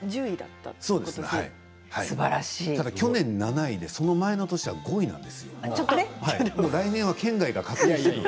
ただ去年７位で、その前の年は５位なんですよ。